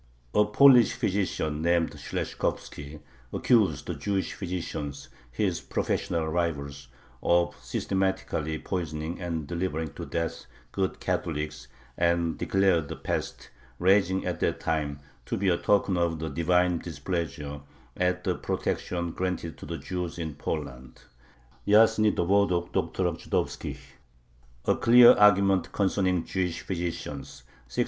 A Polish physician, named Shleshkovski, accused the Jewish physicians, his professional rivals, of systematically poisoning and delivering to death good Catholics, and declared the pest, raging at that time, to be a token of the Divine displeasure at the protection granted to the Jews in Poland (Jasny dowód o doktorach żydowskich, "A Clear Argument Concerning Jewish Physicians," 1623).